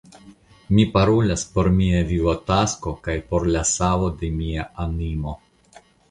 Mi parolas por mia vivotasko kaj por la savo de mia animo!